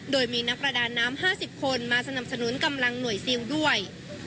โดยมีนักประดาน้ำ๕๐คนมาสนับสนุนกำลังหน่วยซิลด้วย